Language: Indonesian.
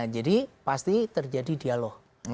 jadi pasti terjadi dialog